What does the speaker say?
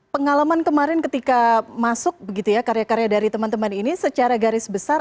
pengalaman kemarin ketika masuk begitu ya karya karya dari teman teman ini secara garis besar